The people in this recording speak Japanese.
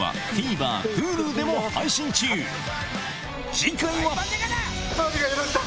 次回は！